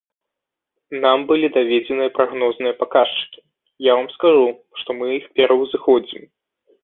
Нам былі даведзеныя прагнозныя паказчыкі, я вам скажу, што мы іх пераўзыходзім.